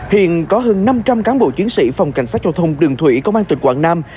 hiện có hơn năm trăm linh cán bộ chiến sĩ phòng cảnh sát giao thông đường thủy công an tỉnh quảng nam